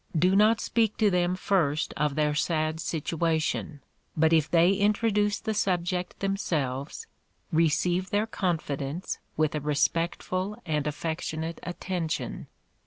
Do not speak to them first of their sad situation; but if they introduce the subject themselves, receive their confidence with a respectful and affectionate attention.